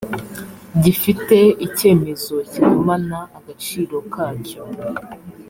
gifite icyemezo kigumana agaciro kacyo